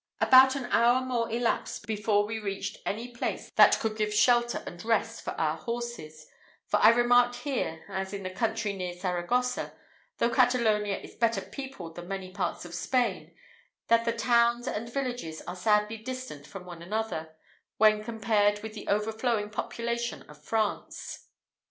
About an hour more elapsed before we reached any place that could give shelter and rest for our horses; for I remarked here, as in the country near Saragossa, though Catalonia is better peopled than many parts of Spain, that the towns and villages are sadly distant from one another, when compared with the overflowing population of France.